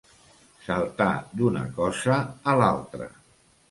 Saltar d'una cosa a l'altra.